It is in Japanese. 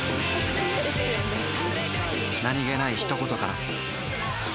何気ない一言から